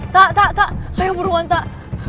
tak tak tak ayo buruan tak